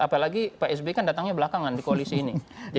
apalagi pak sby kan datangnya belakangan di koalisi ini